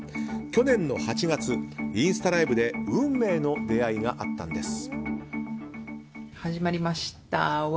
去年の８月インスタライブで運命の出会いがあったんです。